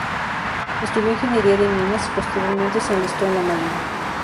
Estudió ingeniería de minas y posteriormente se enlistó en la marina.